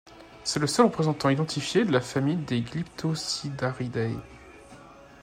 C'est le seul représentant identifié de la famille des Glyptocidaridae.